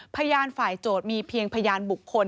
พยานฝ่ายโจทย์มีเพียงพยานบุคคล